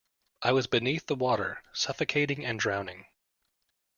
I was beneath the water, suffocating and drowning.